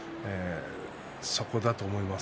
そこだと思います。